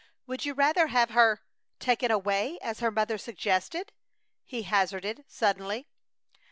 "Would you rather have her taken away as her mother suggested?" he hazarded, suddenly.